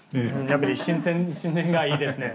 やっぱり新鮮がいいですね。